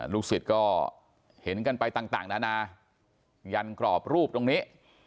ลูกศิษย์ก็เห็นกันไปต่างนายันกรอบรูปตรงนี้